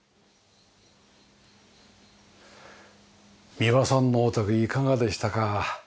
三輪さんのお宅いかがでしたか？